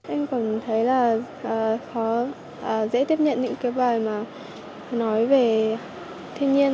em cảm thấy là khó dễ tiếp nhận những cái bài mà nói về thiên nhiên